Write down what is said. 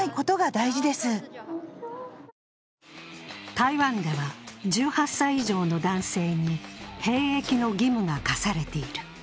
台湾では１８歳以上の男性に兵役の義務が課されている。